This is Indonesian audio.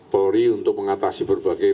polri untuk mengatasi berbagai